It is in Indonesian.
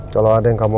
tapi yang pertama